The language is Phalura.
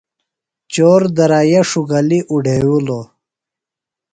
چور درائِیا ڇُھوگلیۡ اُڈھیوِلوۡ۔